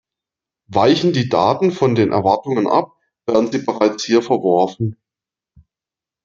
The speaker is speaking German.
Weichen die Daten von den Erwartungen ab, werden sie bereits hier verworfen.